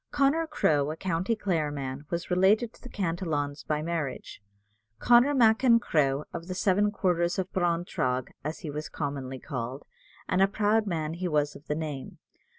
Connor Crowe, a county Clare man, was related to the Cantillons by marriage. "Connor Mac in Cruagh, of the seven quarters of Breintragh," as he was commonly called, and a proud man he was of the name.